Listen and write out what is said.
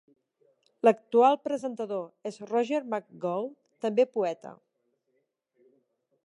L'actual presentador és Roger McGough, també poeta.